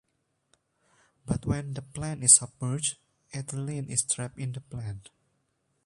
But when the plant is submerged ethylene is trapped in the plant.